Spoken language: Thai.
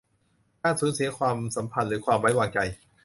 การสูญเสียความสัมพันธ์หรือความไว้วางใจ